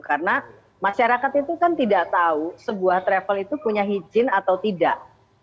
karena masyarakat itu kan tidak tahu sebuah travel itu punya hijin atau tidak